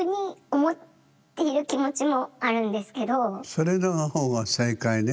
それの方が正解ね。